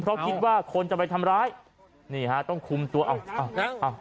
เพราะคิดว่าคนจะไปทำร้ายนี่ฮะต้องคุมตัวเอานะอ้าว